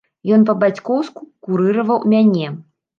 Ён па-бацькоўску курыраваў мяне.